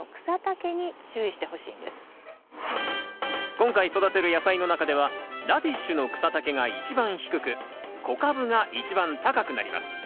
今回育てる野菜の中ではラディッシュの草丈が一番低く小カブが一番高くなります。